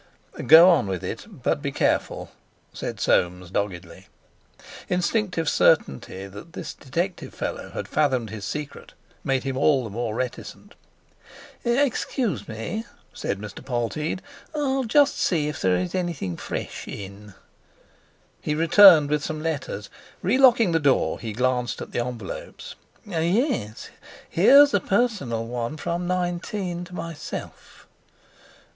"Go on with it, but be careful," said Soames doggedly. Instinctive certainty that this detective fellow had fathomed his secret made him all the more reticent. "Excuse me," said Mr. Polteed, "I'll just see if there's anything fresh in." He returned with some letters. Relocking the door, he glanced at the envelopes. "Yes, here's a personal one from 19 to myself."